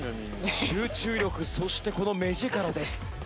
集中力そしてこの目力です。